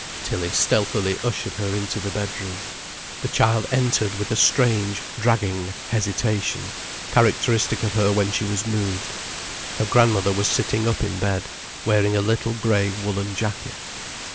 Tilly stealthily ushered her into the bedroom. The child entered with a strange, dragging hesitation characteristic of her when she was moved. Her grandmother was sitting up in bed, wearing a little grey woollen jacket.